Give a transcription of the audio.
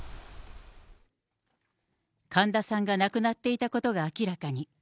神田さんが亡くなっていたことが明らかに。